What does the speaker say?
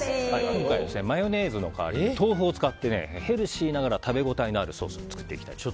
今回はマヨネーズの代わりに豆腐を使ってヘルシーながら食べ応えのあるソースを作っていきます。